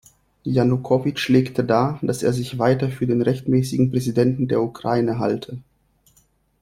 Janukowytsch legte dar, dass er sich weiter für den rechtmäßigen Präsidenten der Ukraine halte.